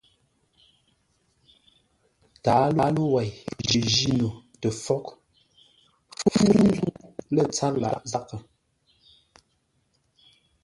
Tǎalo wei kə jíno tə fwóghʼ fúŋ zə̂u lə́ tsâr lâʼ zághʼə.